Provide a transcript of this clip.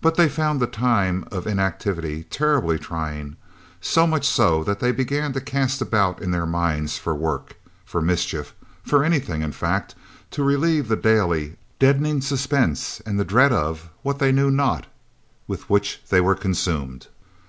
But they found the time of inactivity terribly trying, so much so that they began to cast about in their minds for work, for mischief for anything, in fact, to relieve the daily, deadening suspense and the dread, of what they knew not, with which they were consumed.